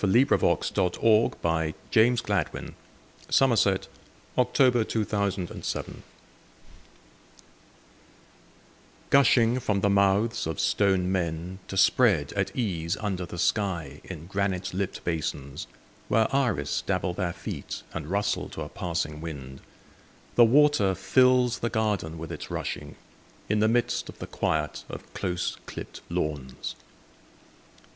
Gather it up from the dust, That its sparkle may amuse you. In a Garden Gushing from the mouths of stone men To spread at ease under the sky In granite lipped basins, Where iris dabble their feet And rustle to a passing wind, The water fills the garden with its rushing, In the midst of the quiet of close clipped lawns.